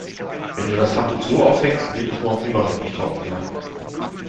Wenn du das Handtuch so aufhängst, wird es morgen immer noch nicht trocken sein.